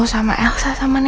terus mukanya disamping dia